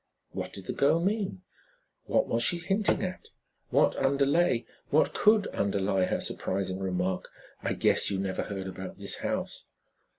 What did the girl mean? What was she hinting at? What underlay what could underlie her surprising remark, "I guess you never heard about this house?"